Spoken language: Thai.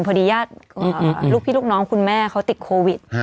พอดีญาติลูกพี่ลูกน้องคุณแม่เขาติดโควิด